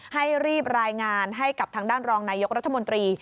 ให้รีบรายงานให้กับทางด้านรองนายกรัฐมนตรี